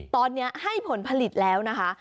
ตอนนี้ให้ผลผลิตแล้วนะคะ